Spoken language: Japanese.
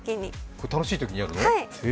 これ楽しいときにやるの？